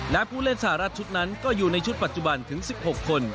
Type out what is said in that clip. และผู้เล่นสหรัฐชุดนั้นก็อยู่ในชุดปัจจุบันถึง๑๖คน